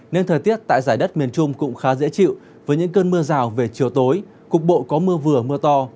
nên thời tiết tại giải đất miền trung cũng khá dễ chịu với những cơn mưa rào về chiều tối cục bộ có mưa vừa mưa to